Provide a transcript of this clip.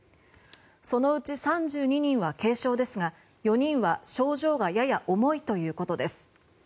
そのうち３２人は軽症ですが４人は、症状がやや重いということです。